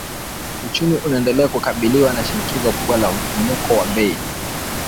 Uchumi unaendelea kukabiliwa na shinikizo kubwa la mfumuko wa bei.